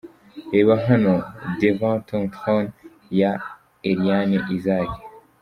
Reba hano 'Devant Ton Trône' ya Elliane Isaac.